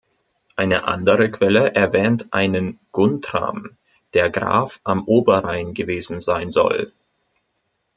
Eine andere Quelle erwähnt einen Guntram, der Graf am Oberrhein gewesen sein soll.